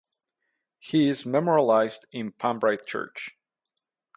He is memorialized in Panbride Church.